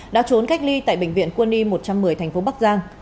đã trốn cách ly tại bệnh viện quân y một trăm một mươi tp bắc giang